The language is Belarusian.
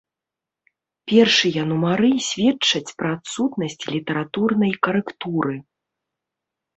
Першыя нумары сведчаць пра адсутнасць літаратурнай карэктуры.